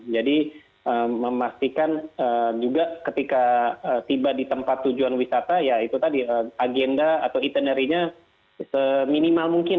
jadi memastikan juga ketika tiba di tempat tujuan wisata ya itu tadi agenda atau itinerinya se minimal mungkin